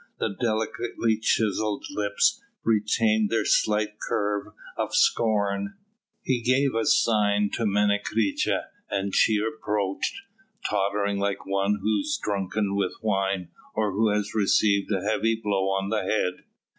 The delicately chiselled lips retained their slight curve of scorn. He gave a sign to Menecreta, and she approached, tottering like one who is drunken with wine, or who has received a heavy blow on the head.